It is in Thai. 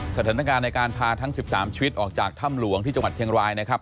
สถานการณ์ในการพาทั้ง๑๓ชีวิตออกจากถ้ำหลวงที่จังหวัดเชียงรายนะครับ